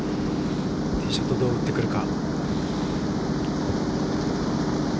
ティーショットをどう打ってくるか。